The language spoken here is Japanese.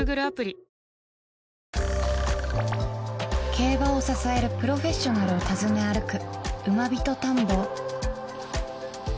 競馬を支えるプロフェッショナルを訪ね歩く